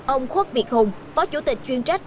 ông khuất việt hùng phó chủ tịch chuyên trách